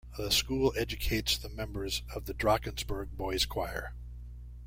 The school educates the members of the Drakensberg Boys Choir.